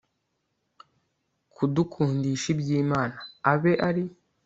kudukundisha iby'imana, abe ari